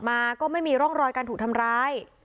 มาก็ไม่มีร่องรอยการถูกทำร้าย